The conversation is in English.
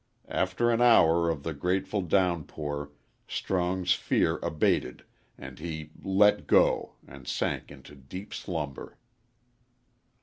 After an hour of the grateful downpour Strong's fear abated and he "let go" and sank into deep slumber.